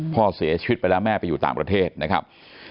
พ่อเสียชีวิตไปแล้วแม่ไปอยู่ต่างประเทศนะครับ